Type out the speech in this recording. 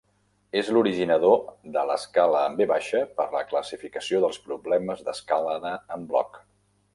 És l'originador de l'escala en V per la classificació dels problemes d'escalada en bloc.